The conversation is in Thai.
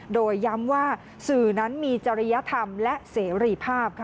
โดยย้ำว่าสื่อนั้นมีจริยธรรมและเสรีภาพ